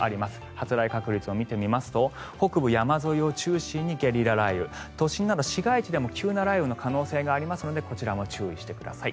発雷確率を見てみますと北部の山沿いを中心にゲリラ雷雨都心など市街地でも急な雷雨の可能性がありますのでこちらも注意してください。